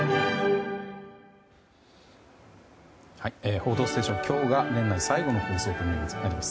「報道ステーション」今日が年内最後の放送です。